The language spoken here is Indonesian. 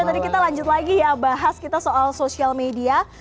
tadi kita lanjut lagi ya bahas kita soal sosial media